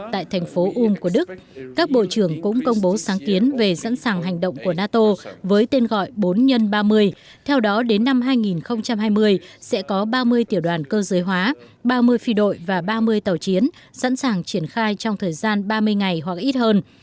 ba mươi tiểu đoàn cơ giới hóa ba mươi phi đội và ba mươi tàu chiến sẵn sàng triển khai trong thời gian ba mươi ngày hoặc ít hơn